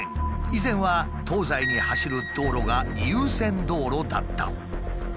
以前は東西に走る道路が優先道路だった。